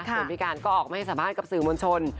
ส่วนพี่การก็ออกมาให้สัมภาษณ์กับสื่อมวลชน